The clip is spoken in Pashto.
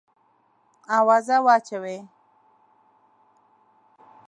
آوازه واچوې.